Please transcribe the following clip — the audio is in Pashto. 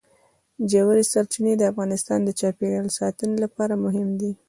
ژورې سرچینې د افغانستان د چاپیریال ساتنې لپاره مهم دي.